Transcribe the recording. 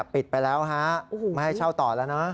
ปิดไปแล้วฮะไม่ให้เช่าต่อแล้วนะ